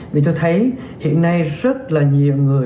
vì tôi thấy hiện nay rất là nhiều người